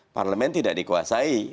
parlemen tidak dikuasai